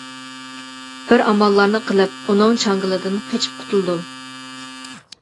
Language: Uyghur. بىر ئاماللارنى قىلىپ ئۇنىڭ چاڭگىلىدىن قېچىپ قۇتۇلدۇم.